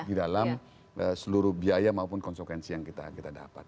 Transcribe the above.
di dalam seluruh biaya maupun konsekuensi yang kita dapat